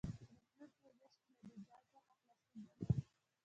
په راتلونکې یوه میاشت کې له دې جال څخه خلاصون نه لري.